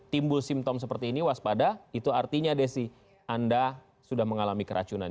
timbul simptom seperti ini waspada itu artinya desi anda sudah mengalami keracunan